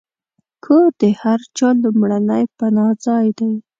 کور د هر چا لومړنی پناهځای دی.